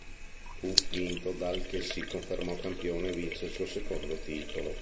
Fu vinto dal che si confermò campione e vinse il suo secondo titolo.